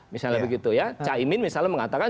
misalnya begitu ya caimin misalnya mengatakan